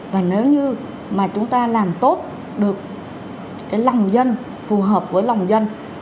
và nếu như mà chúng ta làm tốt được cái lòng dân phù hợp với lòng dân